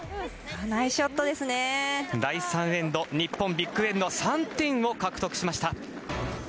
第３エンド、日本ビッグエンド３点を獲得しました。